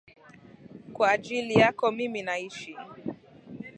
Kwa ajili yako mimi naishi.